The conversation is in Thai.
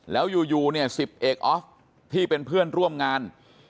แล้วอยู่เนี่ย๑๐เอกออฟที่เป็นเพื่อนร่วมงาน